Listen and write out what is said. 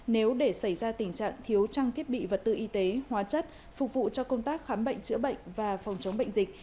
nếu để xảy ra tình trạng thiếu trang thiết bị vật tư y tế hóa chất phục vụ cho công tác khám bệnh chữa bệnh và phòng chống bệnh dịch